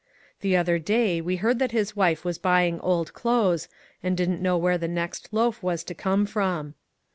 The other day we heard that his wife was buying old clothes, and did n't know where the next loaf was to come from.